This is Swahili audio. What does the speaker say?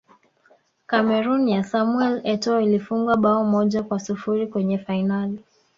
cameroon ya samuel etoo ilifungwa bao moja kwa sifuri kwenye fainali